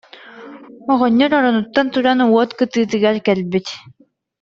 оҕонньор оронуттан туран уот кытыытыгар кэлбит